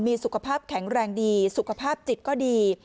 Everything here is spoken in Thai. มีสุขภาพแข็งแรงดีสุขภาพจิตก็ดี